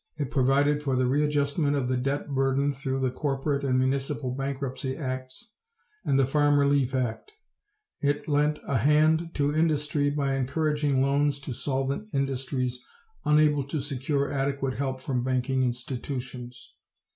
It provided for the readjustment of the debt burden through the corporate and municipal bankruptcy acts and the Farm Relief Act. It lent a hand to industry by encouraging loans to solvent industries unable to secure adequate help from banking institutions.